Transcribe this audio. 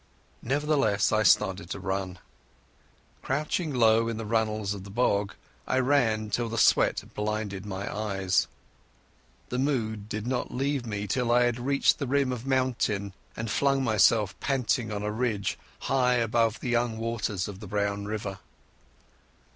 Nevertheless I started to run. Crouching low in the runnels of the bog, I ran till the sweat blinded my eyes. The mood did not leave me till I had reached the rim of mountain and flung myself panting on a ridge high above the young waters of the brown river.